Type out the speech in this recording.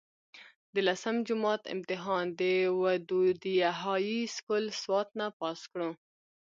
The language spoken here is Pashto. د لسم جمات امتحان د ودوديه هائي سکول سوات نه پاس کړو